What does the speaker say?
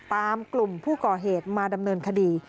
กลุ่มผู้ก่อเหตุมาดำเนินคดี